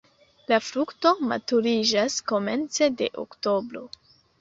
La frukto maturiĝas komence de oktobro.